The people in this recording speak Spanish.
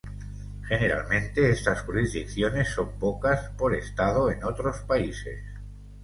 Generalmente, estas jurisdicciones son pocas por estado en otros países.